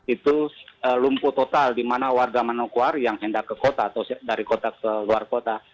itu lumpuh total di mana warga manokwari yang hendak ke kota atau dari kota ke luar kota